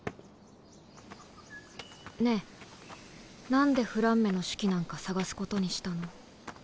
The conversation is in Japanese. ねぇ何でフランメの手記なんか探すことにしたの？